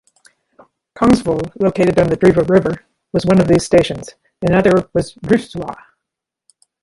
Kongsvoll, located on the Driva River, was one of these stations, another was Drivstua.